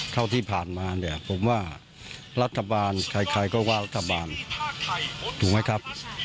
เท่าที่ผ่านมาเนี่ยผมว่ารัฐบาลใครก็ว่ารัฐบาลถูกไหมครับ